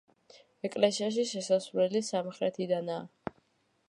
ეკლესიაში შესავლელი სამხრეთიდანაა.